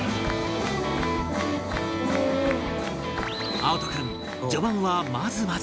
碧人君序盤はまずまず